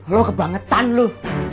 loh kebangetan lu